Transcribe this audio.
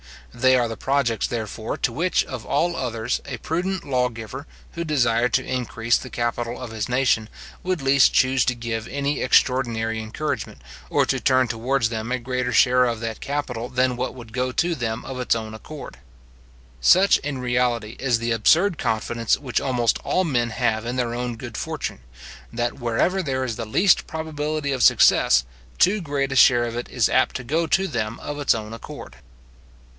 They are the projects, therefore, to which, of all others, a prudent lawgiver, who desired to increase the capital of his nation, would least choose to give any extraordinary encouragement, or to turn towards them a greater share of that capital than what would go to them of its own accord. Such, in reality, is the absurd confidence which almost all men have in their own good fortune, that wherever there is the least probability of success, too great a share of it is apt to go to them of its own accord.